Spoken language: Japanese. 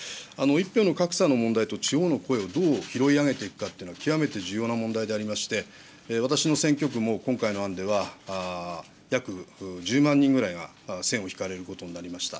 １票の格差の問題と、地方の声をどう拾い上げていくかっていうのは、極めて重要な問題でありまして、私の選挙区も今回の案では、約１０万人ぐらいが線を引かれることになりました。